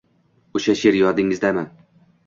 O`sha she`r yodingizdami